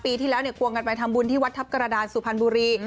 ปีที่แล้วเนี่ยควงกันไปทำบุญที่วัดทัพกระดานสุพรรณบุรี